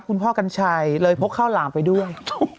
คุณพ่อกัญชัยเลยพกข้าวหลามไปด้วย